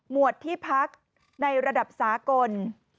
วดที่พักในระดับสากล